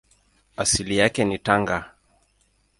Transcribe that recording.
Asili yake ni Tanga.